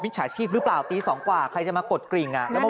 หลังจากพบศพผู้หญิงปริศนาตายตรงนี้ครับ